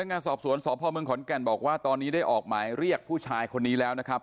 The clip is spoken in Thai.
งานสอบสวนสพเมืองขอนแก่นบอกว่าตอนนี้ได้ออกหมายเรียกผู้ชายคนนี้แล้วนะครับ